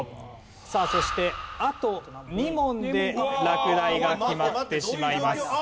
さあそしてあと２問で落第が決まってしまいます。